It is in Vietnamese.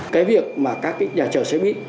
cái việc mà các nhà trở xe buýt